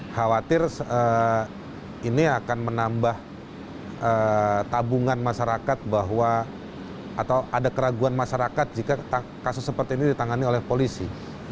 khawatir ini akan menambah tabungan masyarakat bahwa atau ada keraguan masyarakat jika kasus seperti ini ditangani oleh polisi